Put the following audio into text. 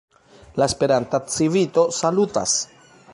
La Esperanta Civito salutas.